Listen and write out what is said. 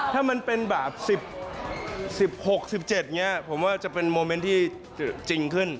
ถ้ามันเป็นแบบ๑๖๑๗ผมว่าจะเป็นโมเม้นท์ที่จริงขึ้น